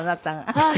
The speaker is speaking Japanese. はい。